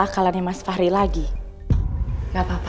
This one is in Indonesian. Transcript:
anggap ikutan dia bustore yang masih roots